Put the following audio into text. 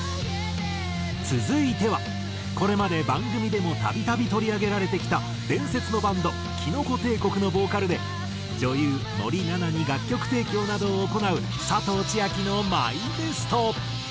続いてはこれまで番組でも度々取り上げられてきた伝説のバンドきのこ帝国のボーカルで女優森七菜に楽曲提供などを行う佐藤千亜妃のマイベスト。